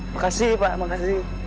makasih pak makasih